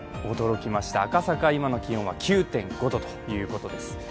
驚きました、赤坂、今の気温は９．５度ということです。